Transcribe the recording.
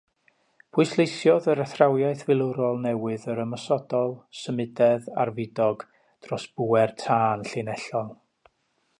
Pwysleisiodd yr athrawiaeth filwrol newydd yr ymosodol, symudedd a'r fidog, dros bŵer tân llinellol.